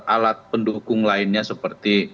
alat pendukung lainnya seperti